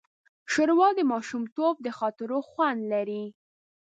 ښوروا د ماشومتوب د خاطرو خوند لري.